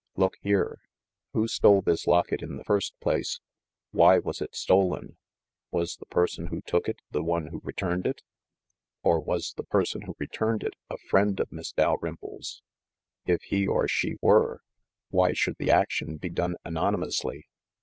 "Look here! Who stole this locket in the first place? Why was it stolen ? Was the person who took it the one who returned it ? Or was the person who returned it a friend of Miss Dalrymple's? If he or she were, 156 THE MASTER OF MYSTERIES why should the action be done anonymously?